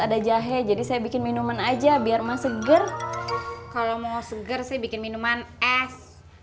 ada jahe jadi saya bikin minuman aja biar mah seger kalau mau seger sih bikin minuman es